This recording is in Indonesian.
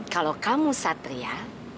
kalau kamu satria